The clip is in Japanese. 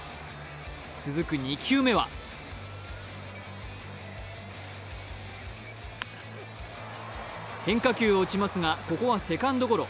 続く２球目は変化球を打ちますが、ここはセカンドゴロ。